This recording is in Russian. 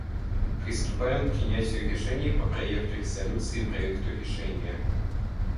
Приступаем к принятию решений по проекту резолюции и проекту решения.